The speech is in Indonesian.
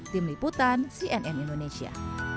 tim liputan cnn indonesia